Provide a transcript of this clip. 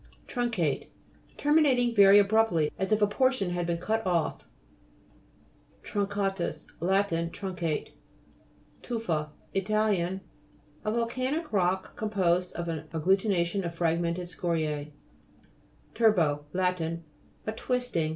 TRUNCATE Terminating very ab ruptly, as if a portion had been cut off. TRUNCA'TUS Lat. Truncate. TU'FA It. A volcanic rock, com posed of an agglutination of frag mented scorise. TURBO Lat. A twisting.